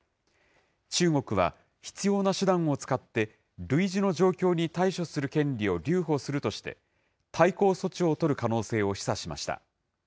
中国は必要な手段を使って、類似の状況に対処する権利を留保するとして、対抗措置を取る可能性を示唆しました。